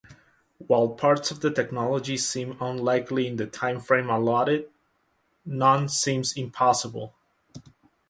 While parts of the technology seem unlikely in the time-frame allotted, none seems impossible.